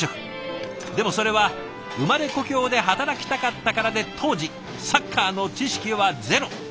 でもそれは生まれ故郷で働きたかったからで当時サッカーの知識はゼロ。